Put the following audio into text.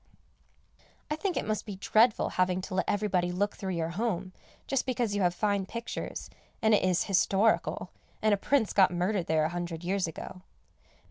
I think it must be dreadful having to let everybody look through your home, just because you have fine pictures, and it is historical, and a prince got murdered there a hundred years ago.